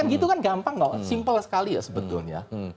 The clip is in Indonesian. itu kan gampang sekali ya sebetulnya